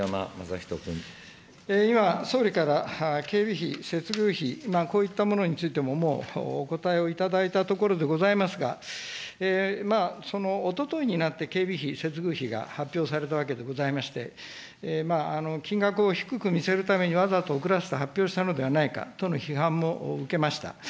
今、総理から警備費、接遇費についても、こういったものについても、もうお答えを頂いたところでございますが、おとといになって警備費、接遇費が発表されたわけでございまして、金額を低く見せるためにわざと遅らせて発表したのではないかとの批判も受けました。